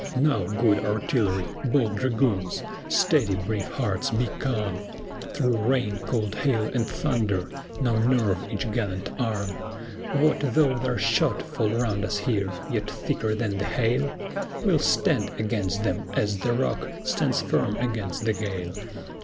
Now, good Artillery! bold Dragoons! Steady, brave hearts, be calm! Through rain, cold hail, and thunder, now nerve each gallant arm! What though their shot fall round us here, yet thicker than the hail? We'll stand against them, as the rock stands firm against the gale.